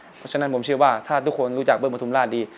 เพราะฉะนั้นผมเชื่อว่าถ้าทุกคนรู้จักเบิ้ประทุมราชดี